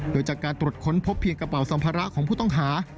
โดยจากการตรวจค้นพบเพียงกระเป๋าสัมภาระของผู้ต้องหา